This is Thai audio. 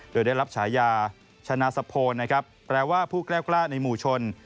โดยได้รับฉายาชนะสะโพนนะครับแปลว่าผู้แก้วกล้าในหมู่ชน